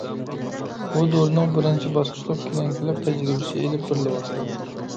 بۇ دورىنىڭ بىرىنچى باسقۇچلۇق كىلىنىكىلىق تەجرىبىسى ئېلىپ بېرىلىۋاتىدۇ.